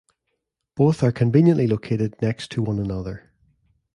Both are conveniently located next to one another.